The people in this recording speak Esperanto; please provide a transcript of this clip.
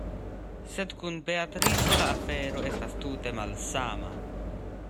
Sed kun Beatrico la afero estas tute malsama.